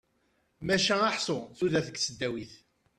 Maca ḥsu tudert deg tesdawit.